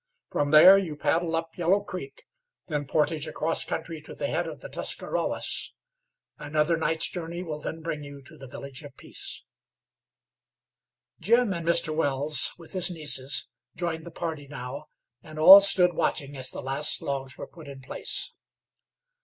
From there you paddle up Yellow Creek; then portage across country to the head of the Tuscarwawas. Another night's journey will then bring you to the Village of Peace." Jim and Mr. Wells, with his nieces, joined the party now, and all stood watching as the last logs were put in place.